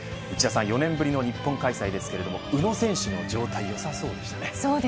４年ぶりの日本開催ですが宇野選手の状態よさそうでしたね。